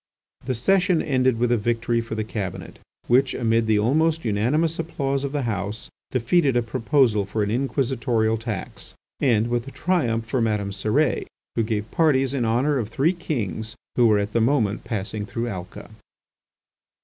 The session ended with a victory for the cabinet which, amid the almost unanimous applause of the House, defeated a proposal for an inquisitorial tax, and with a triumph for Madame Cérès who gave parties in honour of three kings who were at the moment passing through Alca.